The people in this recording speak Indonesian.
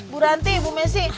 bu ranti bu messi